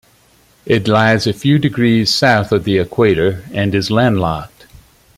It lies a few degrees south of the equator and is landlocked.